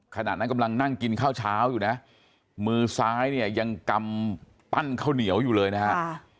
ขณะนั้นกำลังนั่งกินข้าวเช้าอยู่นะมือซ้ายเนี่ยยังกำปั้นข้าวเหนียวอยู่เลยนะฮะ